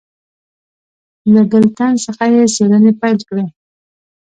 له بل تن څخه یې څېړنې پیل کړې.